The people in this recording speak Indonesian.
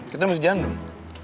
kita harus jalan dong